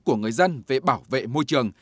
của người dân về bảo vệ môi trường